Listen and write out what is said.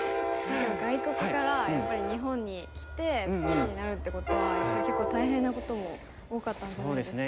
外国からやっぱり日本に来て棋士になるってことはやっぱり結構大変なことも多かったんじゃないですか。